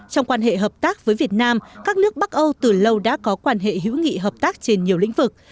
trong quan hệ hợp tác với việt nam các nước bắc âu từ lâu đã có quan hệ hữu nghị hợp tác trên nhiều lĩnh vực